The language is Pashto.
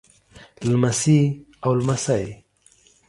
لمسۍ او لمسى